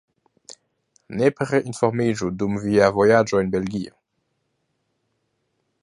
Nepre informiĝu dum via vojaĝo en Belgio!